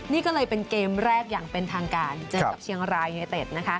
นี่ก็เลยเป็นเกมแรกอย่างเป็นทางการเจอกับเชียงรายยูเนเต็ดนะคะ